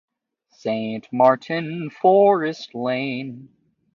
Saint Martin, Forrest Lane.